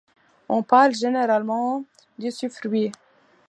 On parle généralement d'usufruit.